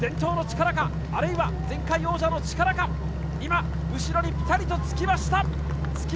伝統の力か、あるいは前回王者の力か、後ろにぴたりとつきました。